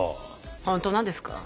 本当なんですか？